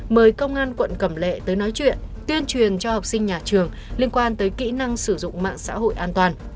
mời công an quận cẩm lệ tới nói chuyện tuyên truyền cho học sinh nhà trường liên quan tới kỹ năng sử dụng mạng xã hội an toàn